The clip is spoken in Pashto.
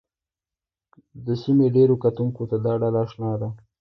د سیمې ډېرو کتونکو ته دا ډله اشنا ده